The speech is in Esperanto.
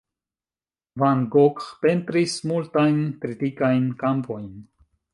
Van Gogh pentris multajn tritikajn kampojn.